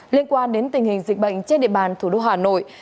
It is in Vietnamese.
liên quan đến tình hình dịch bệnh trên địa bàn thủ đô hà nội